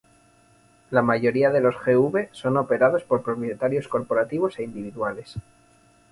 La mayoría de los G-V son operados por propietarios corporativos e individuales.